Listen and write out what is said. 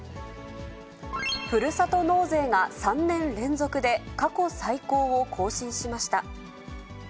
ふるさと納税が３年連続で過去最高を更新しました。